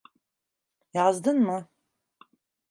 Yazdın mı?